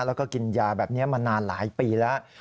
แล้วก็กินยาแบบนี้มานานหลายปีแล้ว